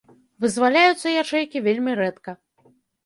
Вызваляюцца ячэйкі вельмі рэдка.